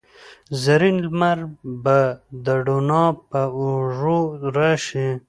زرین لمر به د روڼا په اوږو راشي